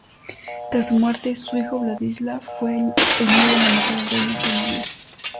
Tras su muerte, su hijo Vladislav fue el nuevo monarca del reino de Sirmia.